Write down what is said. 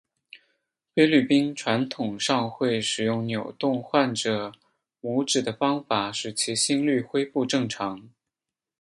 菲律宾传统上会使用扭动患者拇趾的方法使其心律恢复正常。